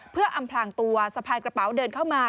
เพื่ออำพลางตัวสะพายกระเป๋าเดินเข้ามา